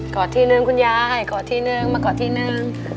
กอดทีหนึ่งคุณยายกอดทีหนึ่งมากอดทีหนึ่ง